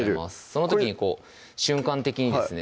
その時にこう瞬間的にですね